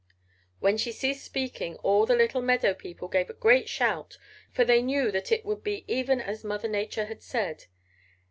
"When she ceased speaking all the little meadow people gave a great shout, for they knew that it would be even as Mother Nature had said.